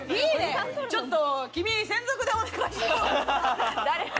ちょっと君、専属でお願いしたい。